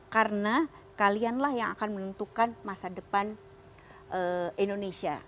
karena kalianlah yang akan menentukan masa depan indonesia